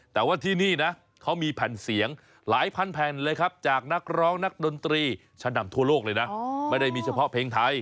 แต่ว่าที่นี่นะเขามีแผ่นเสียงหลายพันแผ่นเลยครับจากนักร้องนักดนตรีชั้นนำทั่วโลกเลยนะไม่ได้มีเฉพาะเพลงไทย